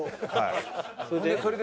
それで？